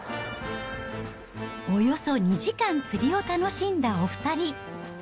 およそ２時間釣りを楽しんだお２人。